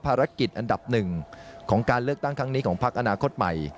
ภารกิจอันดับหนึ่งของการเลือกตั้งครั้งนี้ของพักอนาคตใหม่